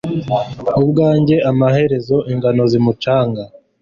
Kubwanjye amaherezo ingano z'umucanga